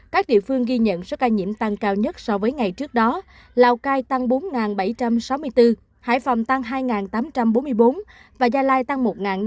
các địa phương ghi nhận số ca nhiễm tăng cao nhất so với ngày trước đó là lào cai tăng bốn bảy trăm sáu mươi bốn hải phòng tăng hai tám trăm bốn mươi bốn và gia lai tăng một năm trăm bốn mươi hai